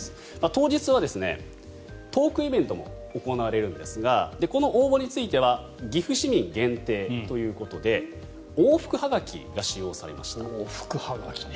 当日はトークイベントも行われるんですがこの応募については岐阜市民限定ということで往復はがきね。